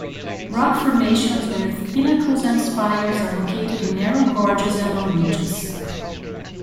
Rock formations with pinnacles and spires are located in narrow gorges and on ridges.